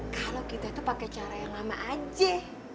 kalo kita tuh pake cara yang lama aja